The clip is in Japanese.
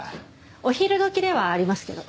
お昼時ではありますけど。